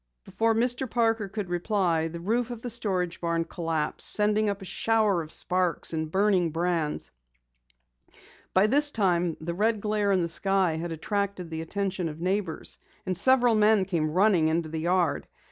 Before Mr. Parker could reply, the roof of the storage barn collapsed, sending up a shower of sparks and burning brands. By this time the red glare in the sky had attracted the attention of neighbors, and several men came running into the yard.